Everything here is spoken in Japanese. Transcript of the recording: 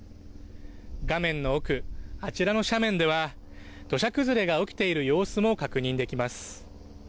画面の奥、あちらの斜面では土砂崩れが起きている様子も確認できます。